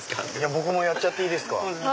僕もやっちゃっていいですか？